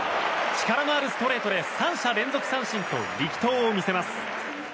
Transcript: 力のあるストレートで三者連続三振と力投を見せます。